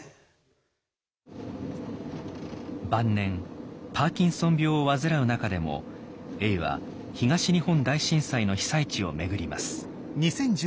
晩年パーキンソン病を患う中でも永は東日本大震災の被災地を巡ります。